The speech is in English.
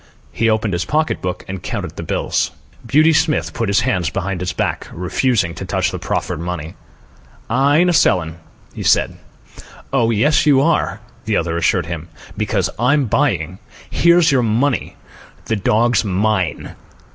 He opened his pocket book and counted out the bills. Beauty Smith put his hands behind his back, refusing to touch the proffered money. "I ain't a sellin'," he said. "Oh, yes you are," the other assured him. "Because I'm buying. Here's your money. The dog's mine."